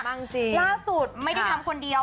จริงล่าสุดไม่ได้ทำคนเดียว